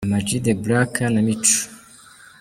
Am G The Black na Mico.